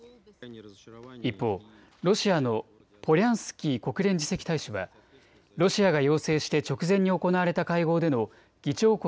一方、ロシアのポリャンスキー国連次席大使はロシアが要請して直前に行われた会合での議長国